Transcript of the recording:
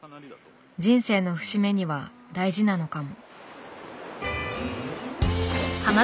人生の節目には大事なのかも。